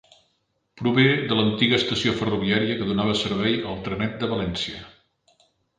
Prové de l'antiga estació ferroviària que donava servei al trenet de València.